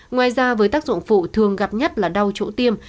ngoài ra với tác dụng phụ thường gặp nhất là đau chỗ tiêm